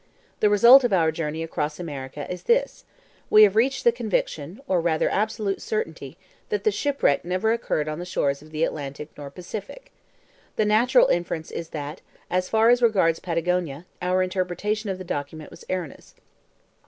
The result of our journey across America is this: We have reached the conviction, or rather absolute certainty, that the shipwreck never occurred on the shores of the Atlantic nor Pacific. The natural inference is that, as far as regards Patagonia, our interpretation of the document was erroneous.